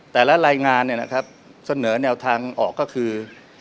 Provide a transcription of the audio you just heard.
แต่ละรายงานเสนอแนวทางออกก็คือ